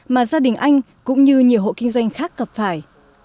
mà gia đình anh cũng như nhiều hộ kinh doanh khác gặp phải